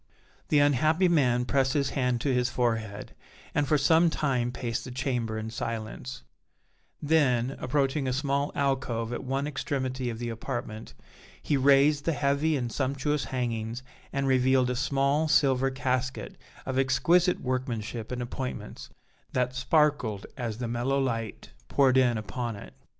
The unhappy man pressed his hand to his forehead, and for some time paced the chamber in silence; then, approaching a small alcove at one extremity of the apartment, he raised the heavy and sumptuous hangings and revealed a small silver casket of exquisite workmanship and appointments, that sparkled as the mellow light poured in upon it.